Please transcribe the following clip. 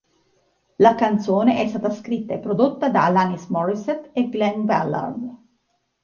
La canzone è stata scritta e prodotta da Alanis Morissette e Glen Ballard.